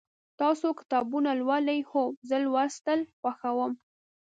تاسو کتابونه لولئ؟ هو، زه لوستل خوښوم